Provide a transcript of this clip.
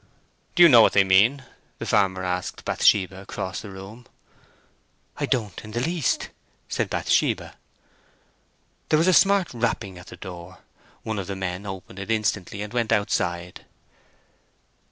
"Do you know what they mean?" the farmer asked Bathsheba, across the room. "I don't in the least," said Bathsheba. There was a smart rapping at the door. One of the men opened it instantly, and went outside.